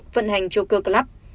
vận hành joker club